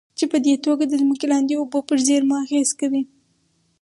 چې پدې توګه د ځمکې لاندې اوبو پر زېرمو اغېز کوي.